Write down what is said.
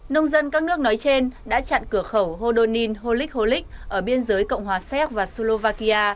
nông dân các nước nói trên đã chặn cửa khẩu hodonin holik holik ở biên giới cộng hòa zed và slovakia